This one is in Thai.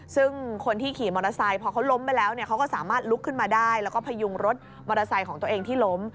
ซึ่งคนที่ขี่มอเตอร์ไซค์พอเขาล้มไปแล้วเนี่ยเขาก็สามารถลุกขึ้นมาได้แล้วก็พยุงรถมอเตอร์ไซค์ของตัวเองที่ล้ม